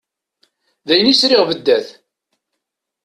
D ayen i sriɣ beddat.